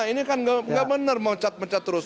ini kan nggak benar mau cat mecat terus